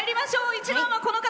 １番は、この方。